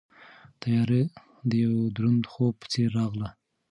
تیاره د یوه دروند خوب په څېر راغله.